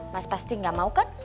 mas pasti gak mau kan